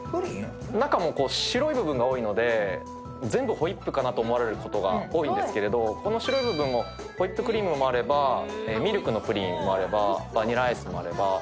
中も白い部分が多いので、全部ホイップと思われることが多いんですけどこの白い部分もホイップクリームもあればミルクのプリンもあれば、バニラアイスもあれば。